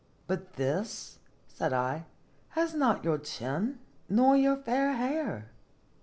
" But this," said I, " has not your chin, nor your fair hair."